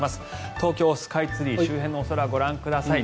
東京スカイツリー周辺の空ご覧ください。